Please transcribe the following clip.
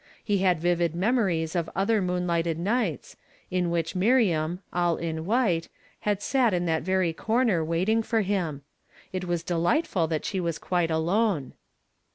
He had vivid memories of other moonlighted nights, in which Miriam, all in white, had sat in that very corner waiting for him. It was delightful that she was quite alone.